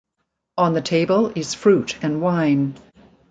On the table is fruit and wine.